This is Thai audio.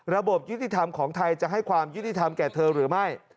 ระบบยุติธรรมของไทยจะให้ความยุติธรรมแก่เธอหรือไม่